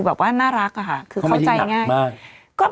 แบบว่าน่ารักอะค่ะคือเข้าใจง่ายไม่ได้หนักมาก